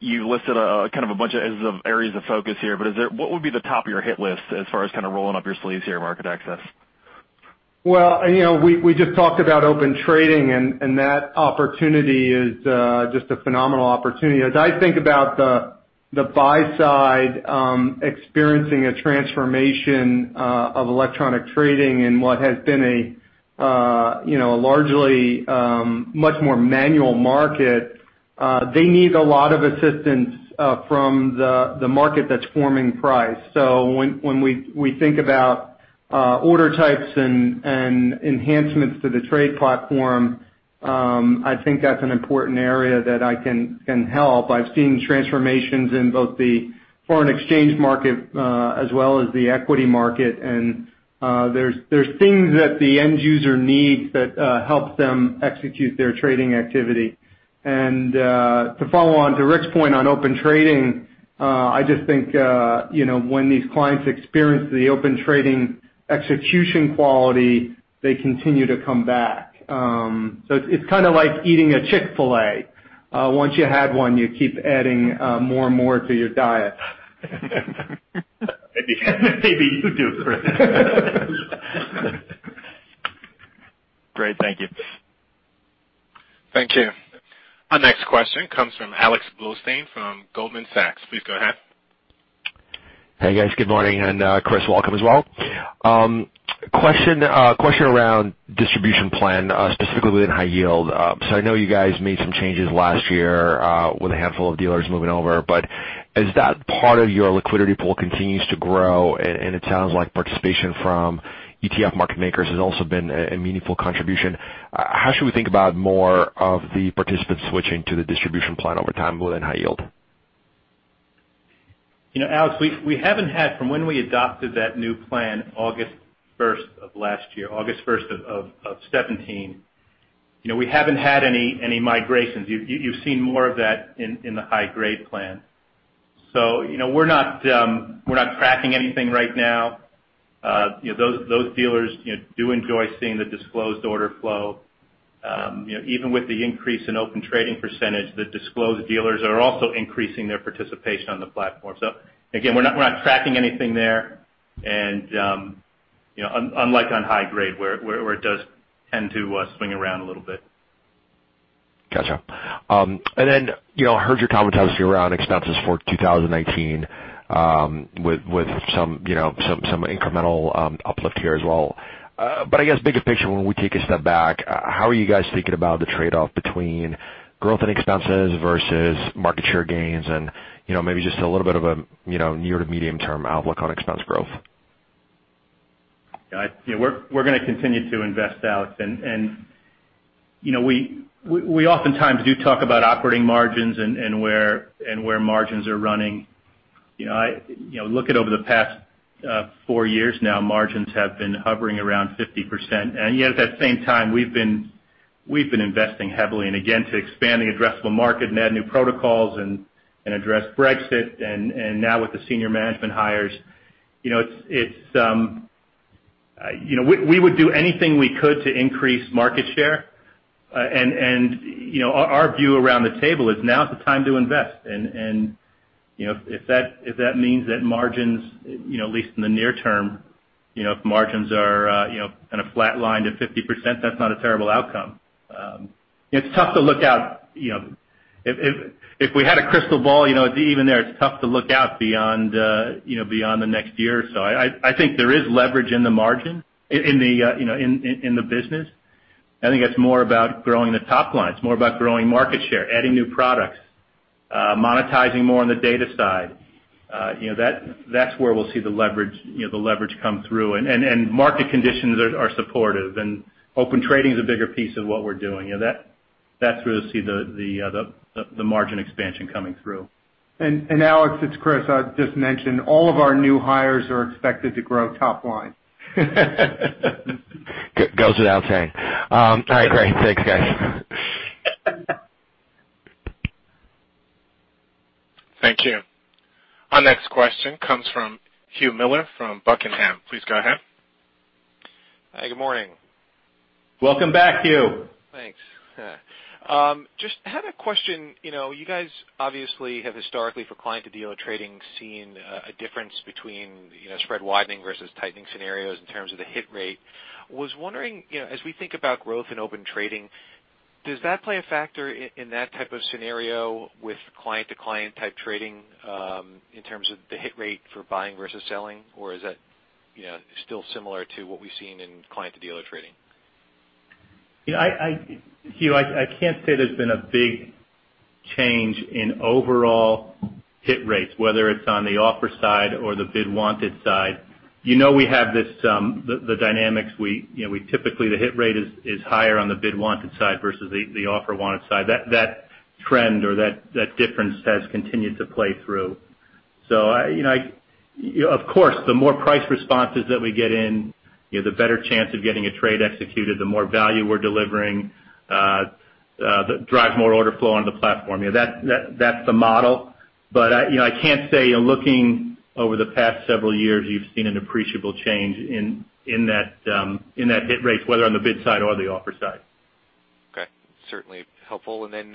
you listed a bunch of areas of focus here, but what would be the top of your hit list as far as rolling up your sleeves here at MarketAxess? Well, we just talked about Open Trading, that opportunity is just a phenomenal opportunity. As I think about the buy side experiencing a transformation of electronic trading in what has been a largely much more manual market, they need a lot of assistance from the market that's forming price. When we think about order types and enhancements to the trade platform, I think that's an important area that I can help. I've seen transformations in both the foreign exchange market, as well as the equity market. There's things that the end user needs that help them execute their trading activity. To follow on to Rick's point on Open Trading, I just think when these clients experience the Open Trading execution quality, they continue to come back. It's kind of like eating a Chick-fil-A. Once you had one, you keep adding more and more to your diet. Maybe you do, Chris. Great. Thank you. Thank you. Our next question comes from Alexander Blostein from Goldman Sachs. Please go ahead. Hey, guys. Good morning. Chris, welcome as well. Question around distribution plan, specifically in high yield. I know you guys made some changes last year, with a handful of dealers moving over, but as that part of your liquidity pool continues to grow, and it sounds like participation from ETF market makers has also been a meaningful contribution, how should we think about more of the participants switching to the distribution plan over time within high yield? Alex, from when we adopted that new plan August 1st of last year, August 1st of 2017, we haven't had any migrations. You've seen more of that in the high-grade plan. We're not tracking anything right now. Those dealers do enjoy seeing the disclosed order flow. Even with the increase in Open Trading percentage, the disclosed dealers are also increasing their participation on the platform. Again, we're not tracking anything there, and unlike on high grade, where it does tend to swing around a little bit. Gotcha. I heard your commentary around expenses for 2019, with some incremental uplift here as well. I guess bigger picture, when we take a step back, how are you guys thinking about the trade-off between growth and expenses versus market share gains and maybe just a little bit of a near to medium-term outlook on expense growth? We're going to continue to invest, Alex. We oftentimes do talk about operating margins and where margins are running. Look at over the past four years now, margins have been hovering around 50%. Yet at that same time we've been investing heavily, again, to expanding addressable market and add new protocols and address Brexit, and now with the senior management hires. We would do anything we could to increase market share. Our view around the table is now is the time to invest. If that means that margins, at least in the near term, if margins are kind of flat lined at 50%, that's not a terrible outcome. It's tough to look out. If we had a crystal ball, even there, it's tough to look out beyond the next year or so. I think there is leverage in the margin, in the business. I think it's more about growing the top line. It's more about growing market share, adding new products, monetizing more on the data side. That's where we'll see the leverage come through, and market conditions are supportive, and Open Trading's a bigger piece of what we're doing. That's where we'll see the margin expansion coming through. Alex, it's Chris. I'll just mention, all of our new hires are expected to grow top line. Goes without saying. All right, great. Thanks, guys. Thank you. Our next question comes from Hugh Miller from Buckingham. Please go ahead. Good morning. Welcome back, Hugh. Thanks. Just had a question. You guys obviously have historically for client-to-dealer trading seen a difference between spread widening versus tightening scenarios in terms of the hit rate. Was wondering, as we think about growth in Open Trading? Does that play a factor in that type of scenario with client-to-client type trading, in terms of the hit rate for buying versus selling? Or is that still similar to what we've seen in client-to-dealer trading? Hugh, I can't say there's been a big change in overall hit rates, whether it's on the offer side or the bid wanted side. We have the dynamics. Typically, the hit rate is higher on the bid wanted side versus the offer wanted side. That trend or that difference has continued to play through. Of course, the more price responses that we get in, the better chance of getting a trade executed, the more value we're delivering, that drive more order flow on the platform. That's the model. I can't say looking over the past several years, you've seen an appreciable change in that hit rate, whether on the bid side or the offer side. Okay. Certainly helpful. Then,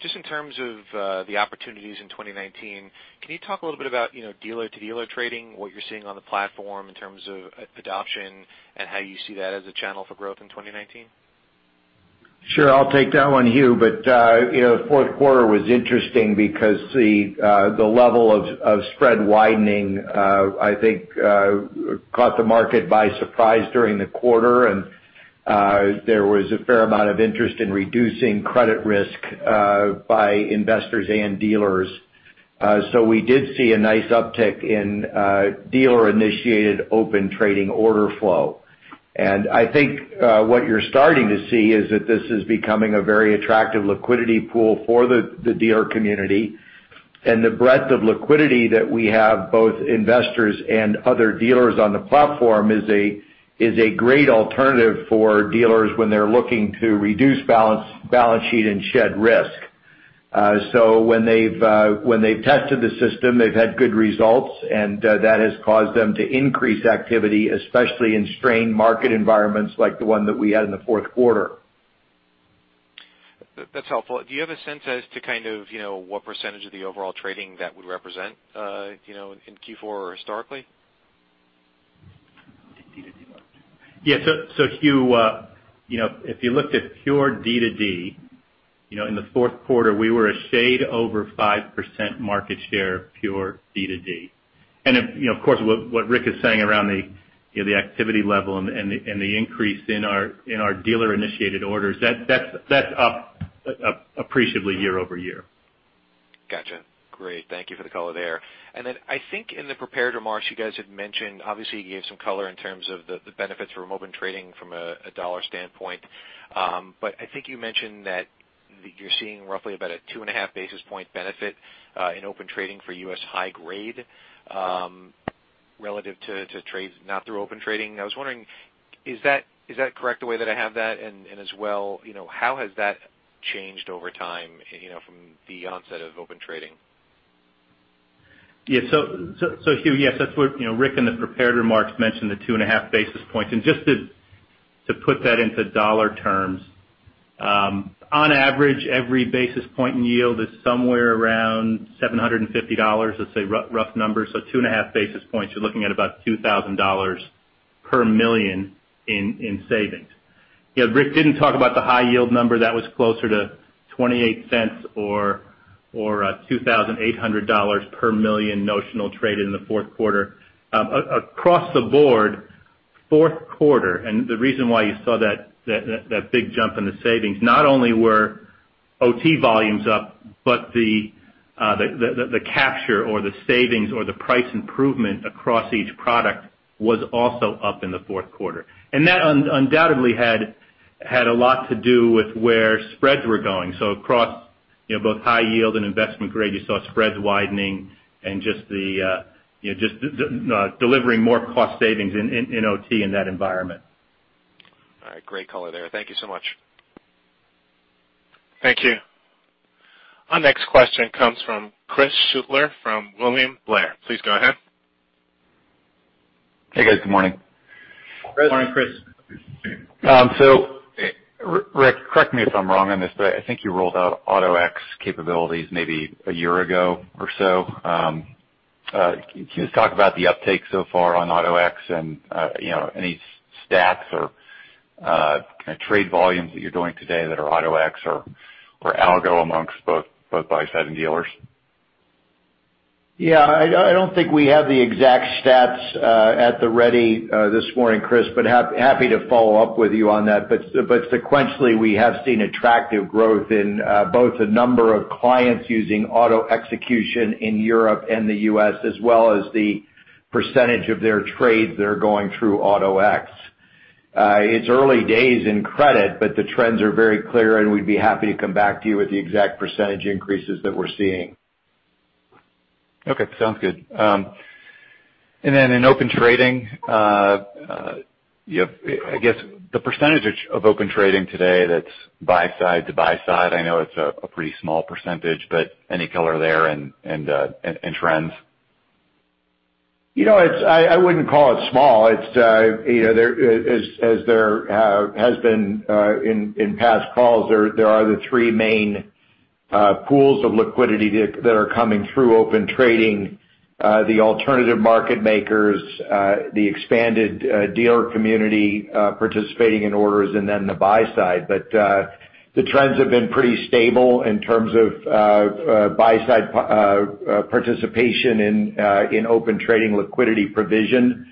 just in terms of the opportunities in 2019, can you talk a little bit about dealer-to-dealer trading, what you're seeing on the platform in terms of adoption, and how you see that as a channel for growth in 2019? Sure. I'll take that one, Hugh. Fourth quarter was interesting because the level of spread widening I think caught the market by surprise during the quarter, and there was a fair amount of interest in reducing credit risk by investors and dealers. We did see a nice uptick in dealer-initiated Open Trading order flow. I think what you're starting to see is that this is becoming a very attractive liquidity pool for the dealer community. The breadth of liquidity that we have, both investors and other dealers on the platform, is a great alternative for dealers when they're looking to reduce balance sheet and shed risk. When they've tested the system, they've had good results, and that has caused them to increase activity, especially in strained market environments like the one that we had in the fourth quarter. That's helpful. Do you have a sense as to what percentage of the overall trading that would represent in Q4 or historically? Hugh, if you looked at pure D to D, in the fourth quarter, we were a shade over 5% market share, pure D to D. Of course, what Rick is saying around the activity level and the increase in our dealer-initiated orders, that's up appreciably year-over-year. Got you. Great. Thank you for the color there. Then I think in the prepared remarks you guys had mentioned, obviously, you gave some color in terms of the benefits from Open Trading from a dollar standpoint. I think you mentioned that you're seeing roughly about a 2.5 basis point benefit in Open Trading for U.S. high grade relative to trades not through Open Trading. I was wondering, is that correct the way that I have that? As well, how has that changed over time from the onset of Open Trading? Hugh, yes, that's what Rick in the prepared remarks mentioned the 2.5 basis points. Just to put that into dollar terms. On average, every basis point in yield is somewhere around $750. Let's say rough numbers. 2.5 basis points, you're looking at about $2,000 per million in savings. Rick didn't talk about the high yield number that was closer to $0.28 or $2,800 per million notional trade in the fourth quarter. Across the board, fourth quarter, the reason why you saw that big jump in the savings, not only were OT volumes up, but the capture or the savings or the price improvement across each product was also up in the fourth quarter. That undoubtedly had a lot to do with where spreads were going. Across both high yield and investment grade, you saw spreads widening and just delivering more cost savings in OT in that environment. All right. Great color there. Thank you so much. Thank you. Our next question comes from Chris Shutler from William Blair. Please go ahead. Hey, guys. Good morning. Morning, Chris. Rick, correct me if I'm wrong on this, but I think you rolled out Auto-X capabilities maybe a year ago or so. Can you just talk about the uptake so far on Auto-X and any stats or trade volumes that you're doing today that are Auto-X or algo amongst both buy-side and dealers? I don't think we have the exact stats at the ready this morning, Chris, but happy to follow up with you on that. Sequentially, we have seen attractive growth in both the number of clients using Auto-X in Europe and the U.S. as well as the percentage of their trades that are going through Auto-X. It's early days in credit, but the trends are very clear, and we'd be happy to come back to you with the exact percentage increases that we're seeing. Sounds good. In Open Trading, I guess the percentage of Open Trading today that's buy-side to buy-side, I know it's a pretty small percentage, but any color there and trends? I wouldn't call it small. There has been in past calls, there are the three main pools of liquidity that are coming through Open Trading, the alternative market makers, the expanded dealer community participating in orders, and then the buy-side. The trends have been pretty stable in terms of buy-side participation in Open Trading liquidity provision.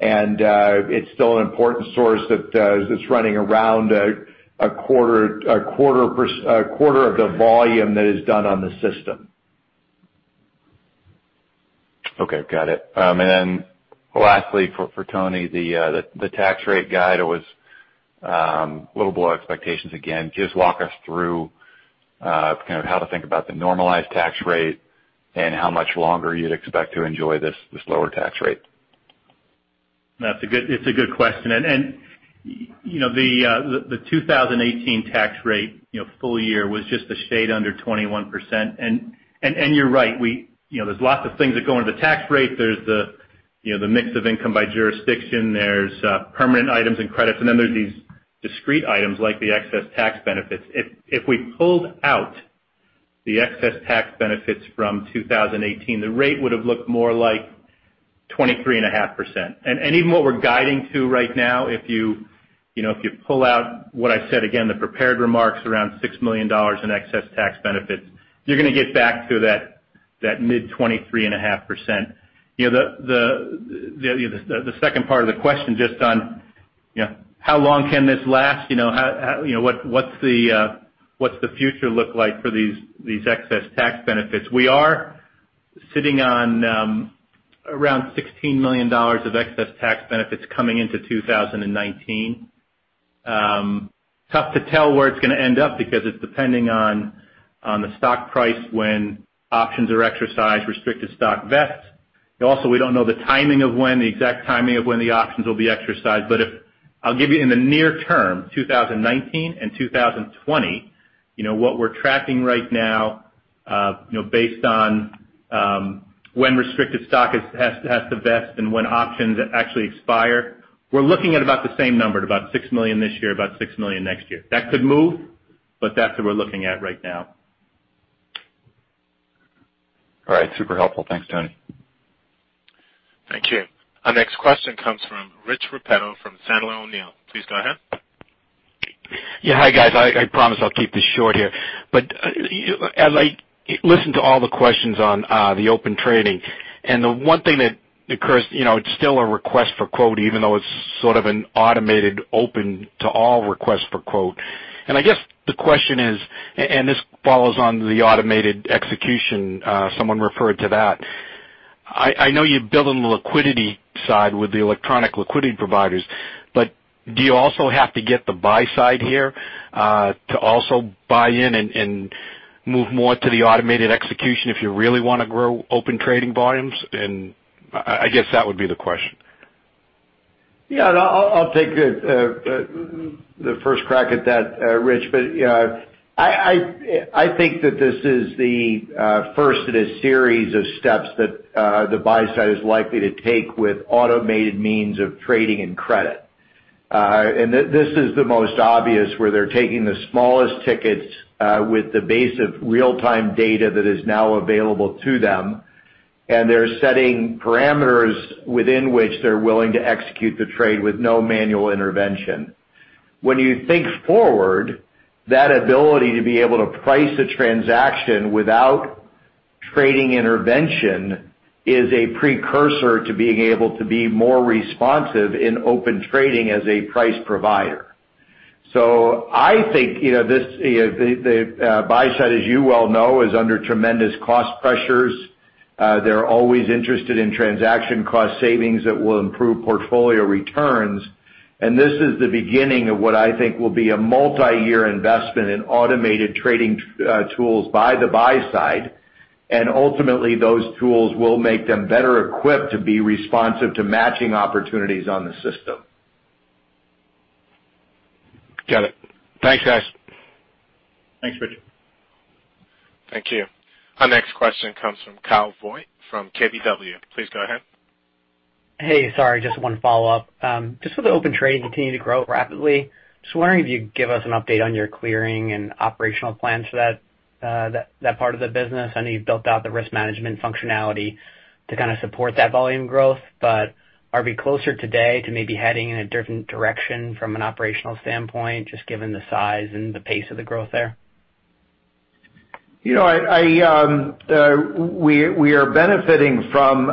It's still an important source that's running around a quarter of the volume that is done on the system. Okay. Got it. Then lastly, for Tony, the tax rate guide was a little below expectations again. Just walk us through kind of how to think about the normalized tax rate and how much longer you'd expect to enjoy this lower tax rate. That's a good question. The 2018 tax rate full year was just a shade under 21%. You're right, there's lots of things that go into tax rate. There's the mix of income by jurisdiction, there's permanent items and credits, then there's these discrete items like the excess tax benefits. If we pulled out the excess tax benefits from 2018, the rate would've looked more like 23.5%. Even what we're guiding to right now, if you pull out what I said again, the prepared remarks around $6 million in excess tax benefits, you're going to get back to that mid 23.5%. The second part of the question just on how long can this last, what's the future look like for these excess tax benefits? We are sitting on around $16 million of excess tax benefits coming into 2019. Tough to tell where it's going to end up because it's depending on the stock price when options are exercised, restricted stock vests. Also, we don't know the exact timing of when the options will be exercised. I'll give you in the near term, 2019 and 2020, what we're tracking right now, based on when restricted stock has to vest and when options actually expire, we're looking at about the same number at about $6 million this year, about $6 million next year. That could move, but that's what we're looking at right now. All right. Super helpful. Thanks, Tony. Thank you. Our next question comes from Rich Repetto from Sandler O'Neill. Please go ahead. Yeah. Hi, guys. I promise I'll keep this short here. As I listened to all the questions on the Open Trading, the one thing that occurs, it's still a request for quote even though it's sort of an automated open to all request for quote. I guess the question is, this follows on the automated execution, someone referred to that. I know you're building the liquidity side with the electronic liquidity providers, do you also have to get the buy side here, to also buy in and move more to the automated execution if you really want to grow Open Trading volumes? I guess that would be the question. Yeah. I'll take the first crack at that, Rich. I think that this is the first in a series of steps that the buy side is likely to take with automated means of trading and credit. This is the most obvious, where they're taking the smallest tickets, with the base of real-time data that is now available to them, they're setting parameters within which they're willing to execute the trade with no manual intervention. When you think forward, that ability to be able to price a transaction without trading intervention is a precursor to being able to be more responsive in Open Trading as a price provider. I think, the buy side, as you well know, is under tremendous cost pressures. They're always interested in transaction cost savings that will improve portfolio returns, this is the beginning of what I think will be a multi-year investment in automated trading tools by the buy side. Ultimately, those tools will make them better equipped to be responsive to matching opportunities on the system. Got it. Thanks, guys. Thanks, Rich. Thank you. Our next question comes from Kyle Voight from KBW. Please go ahead. Hey, sorry, just one follow-up. Just that Open Trading continue to grow rapidly, just wondering if you could give us an update on your clearing and operational plans for that part of the business. I know you've built out the risk management functionality to kind of support that volume growth, are we closer today to maybe heading in a different direction from an operational standpoint, just given the size and the pace of the growth there? We are benefiting from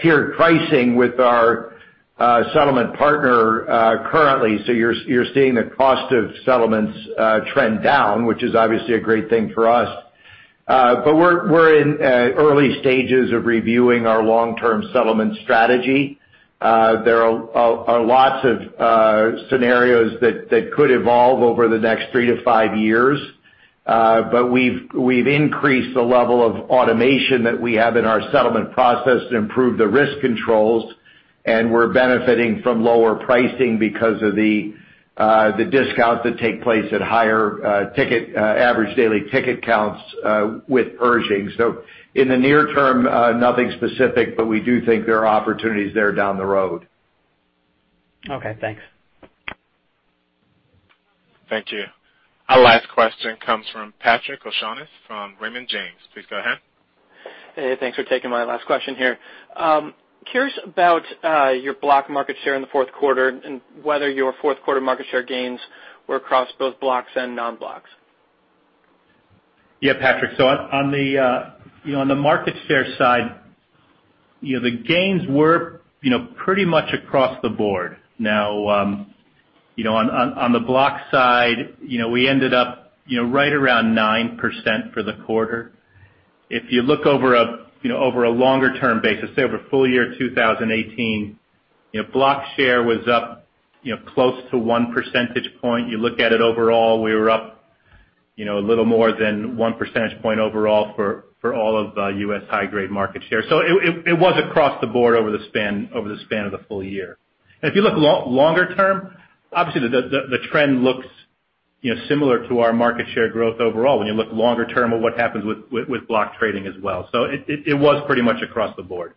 tiered pricing with our settlement partner currently. You're seeing the cost of settlements trend down, which is obviously a great thing for us. We're in early stages of reviewing our long-term settlement strategy. There are lots of scenarios that could evolve over the next three to five years. We've increased the level of automation that we have in our settlement process to improve the risk controls, and we're benefiting from lower pricing because of the discounts that take place at higher average daily ticket counts with Pershing. In the near term, nothing specific, but we do think there are opportunities there down the road. Okay, thanks. Thank you. Our last question comes from Patrick O'Shaughnessy from Raymond James. Please go ahead. Hey, thanks for taking my last question here. Curious about your block market share in the fourth quarter and whether your fourth quarter market share gains were across both blocks and non-blocks. Yeah, Patrick. On the market share side, the gains were pretty much across the board. On the block side, we ended up right around 9% for the quarter. If you look over a longer-term basis, say over full year 2018, block share was up close to one percentage point. You look at it overall, we were up a little more than one percentage point overall for all of U.S. high-grade market share. It was across the board over the span of the full year. If you look longer term, obviously the trend looks similar to our market share growth overall when you look longer term of what happens with block trading as well. It was pretty much across the board.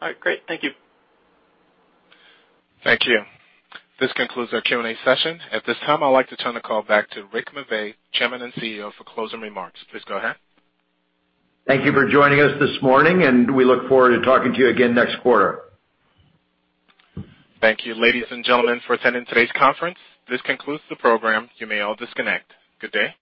All right, great. Thank you. Thank you. This concludes our Q&A session. At this time, I'd like to turn the call back to Rick McVey, Chairman and CEO, for closing remarks. Please go ahead. Thank you for joining us this morning. We look forward to talking to you again next quarter. Thank you, ladies and gentlemen, for attending today's conference. This concludes the program. You may all disconnect. Good day.